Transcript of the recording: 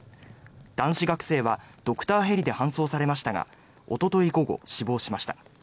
男子学生はドクターヘリで搬送されましたがおととい午後、死亡しました。